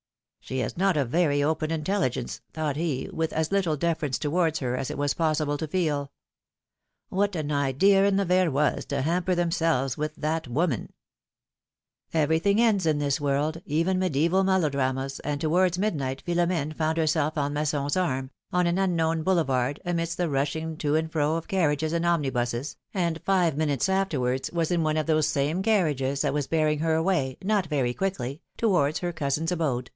^^She has not a very open intelligence,^' thought he, with as little deference towards her as it was possible to feel. ^^What an idea in the Verroys to hamper them selves with that woman !" Everything ends in this world, even mediseval melo dramas, and towards midnight Philomene found herself on Masson's arm, on an unknown boulevard, amidst the rushing to and fro of carriages and omnibuses, and five minutes afterwards was in one of those vsame carriages, that was bearing her away, not very quickly, towards her cousins' abode.